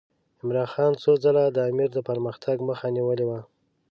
عمرا خان څو ځله د امیر د پرمختګ مخه نیولې وه.